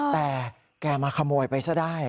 แต่แกมาขโมยไปซะได้